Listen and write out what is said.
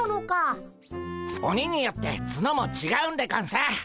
オニによってツノもちがうんでゴンス。